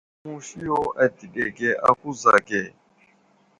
Musi yo adəɗege a kuza age.